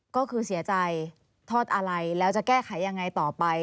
ก็คือเสียใจทอดอะไรแล้วจะแก้ไขยังไงต่อไป